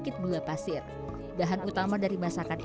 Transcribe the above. yaitu nasi jangkrik dan nasi opor bakar